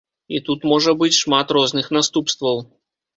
І тут можа быць шмат розных наступстваў.